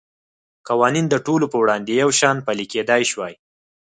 قوانین د ټولو په وړاندې یو شان پلی کېدای شوای.